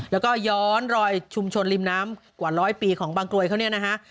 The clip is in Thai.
แล้วก็ย้อนรอยชุมชนริมน้ำกว่าร้อยปีของบางกรวยเขาเนี่ยนะฮะ